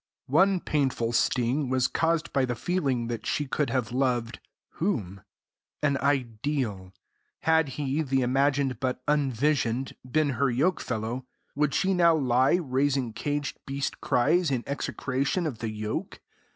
One painful sting was caused by the feeling that she could have loved whom? An ideal. Had he, the imagined but unvisioned, been her yoke fellow, would she now lie raising caged beast cries in execration of the yoke?